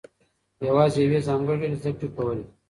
يوازې يوې ځانګړې ډلې زده کړې کولې.